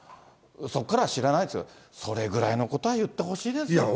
そこからは知らないですよ、それぐらいのことは言ってほしいですよね。